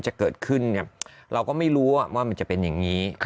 จะเกิดขึ้นเราก็ไม่รู้ว่ามันจะเป็นอย่างนี้